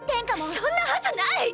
そんなはずない！